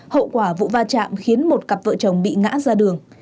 hậu quả vụ va chạm khiến một cặp vợ chồng bị ngã ra đường